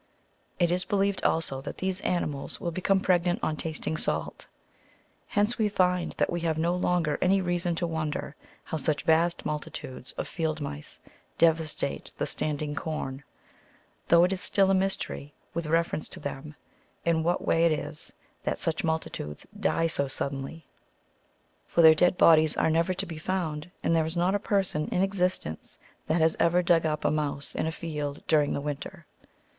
It is believed also that these animals will be come pregnant on tasting salt. Hence we find that we have no longer any reason to wonder how such vast multitudes of field mice devastate the standing corn ; though it is still a mystery, with reference to them, in what way it is that such multitudes die so suddenly ; for their dead bodies are never to be found, and there is not a person in existence that has ever dug up a mouse in a field during the winter.